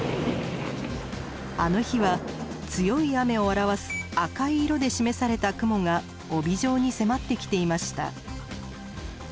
あの日は強い雨を表す赤い色で示された雲が帯状に迫ってきていました。